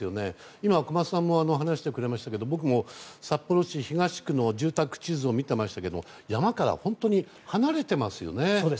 今、小松さんも話してくれましたが僕も札幌市東区の住宅地図を見ていましたが山から本当に離れていますよね。